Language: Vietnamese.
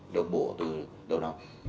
được bộ từ đầu năm